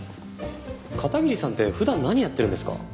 片桐さんって普段何やってるんですか？